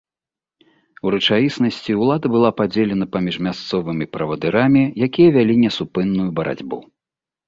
У рэчаіснасці, улада была падзелена паміж мясцовымі правадырамі, якія вялі несупынную барацьбу.